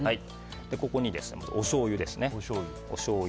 ここに、おしょうゆですね。